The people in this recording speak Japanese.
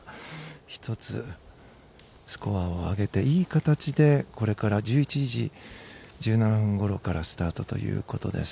１つスコアを上げていい形でこれから１１時１７分ごろからスタートということです。